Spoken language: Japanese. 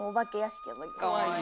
かわいい。